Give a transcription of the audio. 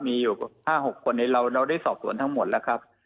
มีอยู่๕๖คนเราได้สอบสวนทั้งหมดแล้วครับ